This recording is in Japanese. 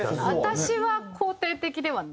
私は肯定的では。